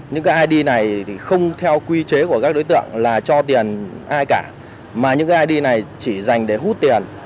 những id này không theo quy chế của các đối tượng là cho tiền ai cả mà những id này chỉ dành để hút tiền